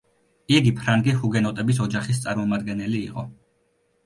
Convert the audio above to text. იგი ფრანგი ჰუგენოტების ოჯახის წარმომადგენელი იყო.